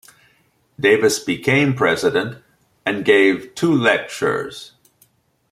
Davis became president and gave two lectures.